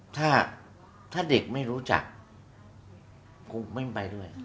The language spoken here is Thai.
ถ้าเด็กไม่รู้จักครูไม่ไปด้วย